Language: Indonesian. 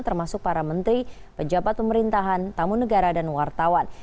termasuk para menteri pejabat pemerintahan tamu negara dan wartawan